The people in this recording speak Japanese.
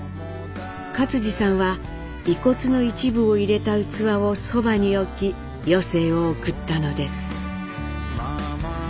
克爾さんは遺骨の一部を入れた器をそばに置き余生を送ったのです。